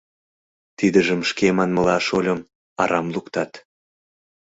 Тидыжым, шке манмыла, шольым, арам луктат.